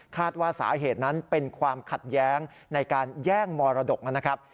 ว่าสาเหตุนั้นเป็นความขัดแย้งในการแย่งมรดกนะครับ